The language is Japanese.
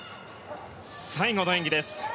最後の演技です。